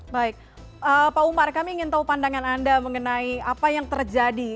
baik pak umar kami ingin tahu pandangan anda mengenai apa yang terjadi